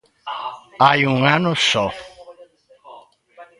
Hai un ano só.